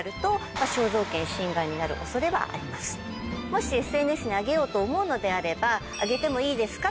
もしＳＮＳに上げようと思うのであれば上げてもいいですか？